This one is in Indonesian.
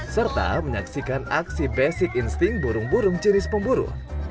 serta menyaksikan aksi basic insting burung burung jenis pemburu